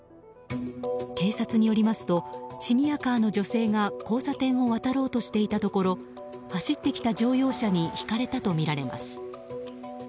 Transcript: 警察によりますとシニアカーの女性が交差点を渡ろうとしていたところ走ってきた乗用車にひかれたとみられます。